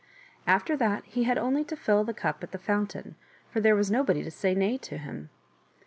After that he had only to fill the cup at the fountain, for there was nobody to say nay to him.